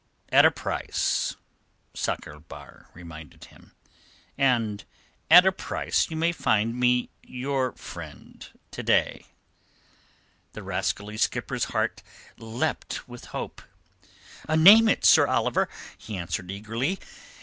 "At a price," Sakr el Bahr reminded him. "And at a price you may find me your friend to day." The rascally skipper's heart leapt with hope. "Name it, Sir Oliver," he answered eagerly.